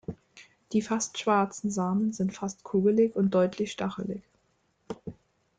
Die fast schwarzen Samen sind fast kugelig und deutlich stachelig.